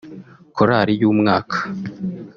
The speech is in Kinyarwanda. Korali y’Umwaka